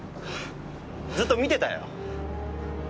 ずっと見てたよ。